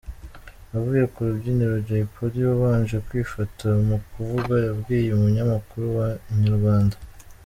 Avuye ku rubyiniro Jay Polly wabanje kwifata mu kuvuga, yabwiye Umunyamakuru wa Inyarwanda.